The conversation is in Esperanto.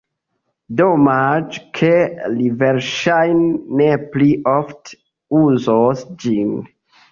Domaĝe ke li verŝajne ne pli ofte uzos ĝin.